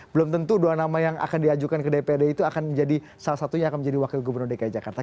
belum tentu dua nama yang akan diajukan ke dpd itu akan menjadi salah satunya akan menjadi wakil gubernur dki jakarta